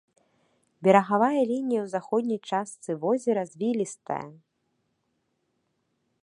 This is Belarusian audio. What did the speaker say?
Берагавая лінія ў заходняй частцы возера звілістая.